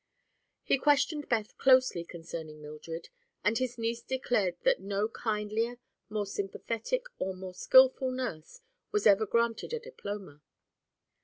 He questioned Beth closely concerning Mildred and his niece declared that no kindlier, more sympathetic or more skillful nurse was ever granted a diploma.